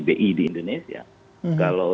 bi di indonesia kalau